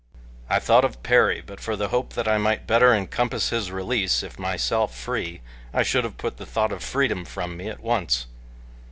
I thought of Perry, and but for the hope that I might better encompass his release if myself free I should have put the thought of freedom from me at once.